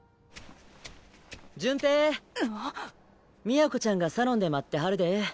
都ちゃんがサロンで待ってはるで。